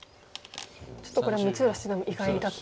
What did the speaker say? ちょっとこれは六浦七段も意外だった。